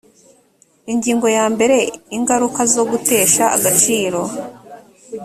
ingingo ya mbere ingaruka zo gutesha agaciro